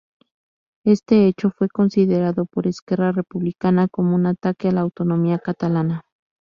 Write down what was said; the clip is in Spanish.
Este hecho fue considerado por Esquerra Republicana como un ataque a la autonomía catalana.